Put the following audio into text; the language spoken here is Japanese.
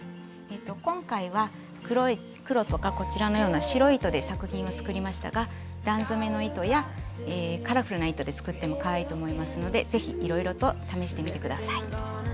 今回は黒とかこちらのような白い糸で作品を作りましたが段染めの糸やカラフルな糸で作ってもかわいいと思いますので是非いろいろと試してみて下さい。